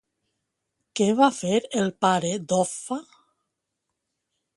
Què va fer el pare d'Offa?